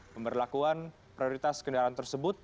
pembelakuan prioritas kendaraan tersebut